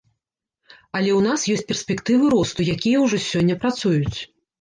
Але ў нас ёсць перспектывы росту, якія ўжо сёння працуюць.